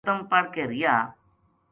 ختم پڑھ کے ریہا